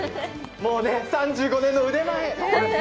もう、３５年の腕前。